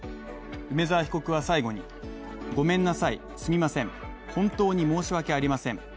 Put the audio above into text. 梅沢被告は最後に、ごめんなさいすみません、本当に申し訳ありません。